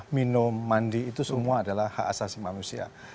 minum mandi itu semua adalah hak asasi manusia